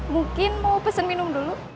mungkin mau pesen minum dulu